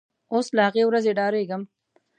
اوس له هغې ورځې بیریږم